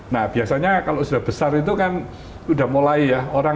nah biasanya kalau sudah besar itu kan sudah mulai ya